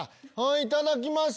いただきます。